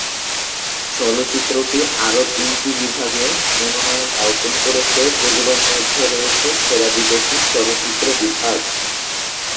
চলচ্চিত্রটি আরো তিনটি বিভাগে মনোনয়ন অর্জন করে, যেগুলোর মধ্যে রয়েছে সেরা বিদেশি চলচ্চিত্র বিভাগ।